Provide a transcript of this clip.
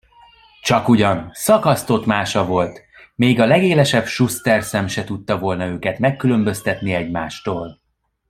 Csakugyan, szakasztott mása volt, még a legélesebb suszterszem se tudta volna őket megkülönböztetni egymástól.